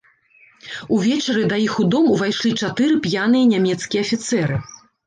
Увечары да іх у дом увайшлі чатыры п'яныя нямецкія афіцэры.